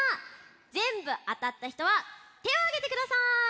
ぜんぶあたったひとはてをあげてください。